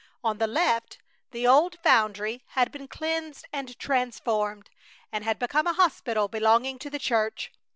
On the left, the old foundry had been cleansed and transformed, and had become a hospital belonging to the church.